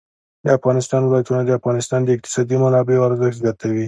د افغانستان ولايتونه د افغانستان د اقتصادي منابعو ارزښت زیاتوي.